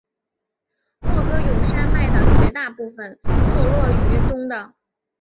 莫戈永山脉的绝大部分坐落于中的。